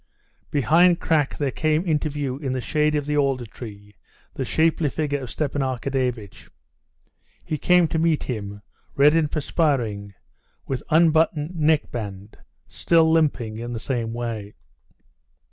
Behind Krak there came into view in the shade of the alder tree the shapely figure of Stepan Arkadyevitch. He came to meet him, red and perspiring, with unbuttoned neckband, still limping in the same way.